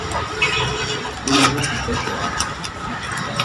Demain tu pêcheras.